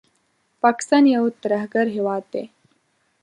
پاکستان یو ترهګر هېواد دی